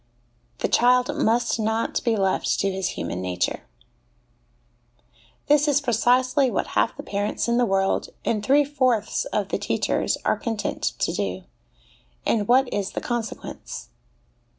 The Child must not be left to his Human Nature. This is precisely what half the parents in the world, and three fourths of the teachers, are content to do ; and what is the consequence